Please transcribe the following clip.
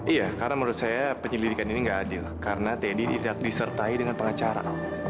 iya karena menurut saya penyelidikan ini tidak adil karena teddy tidak disertai dengan pengacara